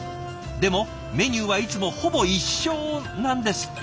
でもメニューはいつもほぼ一緒なんですって。